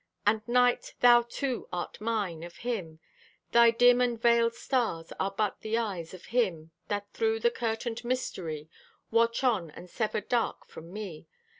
And, Night, thou too art mine, of Him. Thy dim and veiled stars are but the eyes Of Him that through the curtained mystery Watch on and sever dark from me.